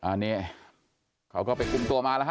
อันนี้เขาก็ไปคุมตัวมาแล้วฮ